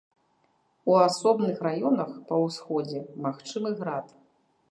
У асобных раёнах па ўсходзе магчымы град.